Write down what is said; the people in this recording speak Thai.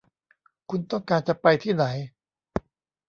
คุณต้องการจะไปที่ไหน